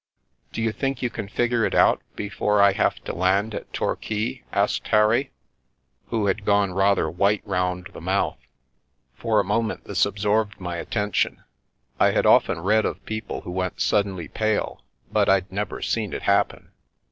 " D'you think you can figure it out before I have to land at Torquay ?" asked Harry, who had gone rather white round the mouth. For a moment this absorbed my attention — I had often read of people who went suddenly pale, but I'd never seen it happen.